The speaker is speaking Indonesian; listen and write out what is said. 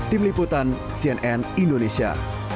tim liputan cnn indonesia